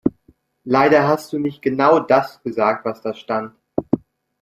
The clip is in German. Leider hast du nicht genau das gesagt, was da stand.